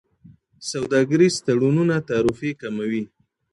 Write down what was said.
سوداګریز تړونونه تعرفې کموي.